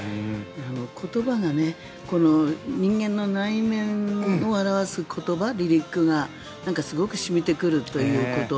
言葉が人間の内面を表す言葉リリックがすごく染みてくるということ。